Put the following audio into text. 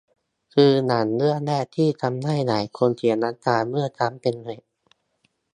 คือหนังเรื่องแรกที่ทำให้หลายคนเสียน้ำตาเมื่อครั้งเป็นเด็ก